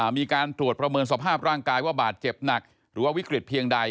มีการตรวจประเมินสภาพร่างกายว่าบาดเจ็บหนักหรือว่าวิกฤตเพียงใด